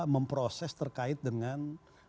memproses terkait dengan